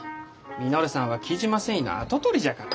稔さんは雉真繊維の跡取りじゃから。